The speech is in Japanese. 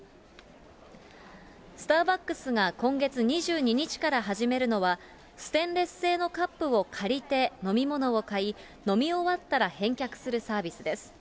スターバックスが今月２２日から始めるのは、ステンレス製のカップを借りて飲み物を買い、飲み終わったら返却するサービスです。